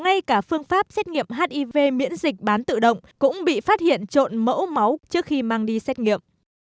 ngay cả phương pháp xét nghiệm hiv miễn dịch bán tự động cũng bị phát hiện trộn mẫu máu trước khi mang đi xét nghiệm